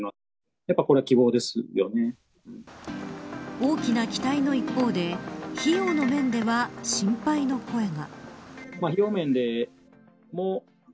大きな期待の一方で費用の面では心配の声が。